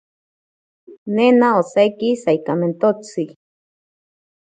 Nena osaiki saikamentotsi.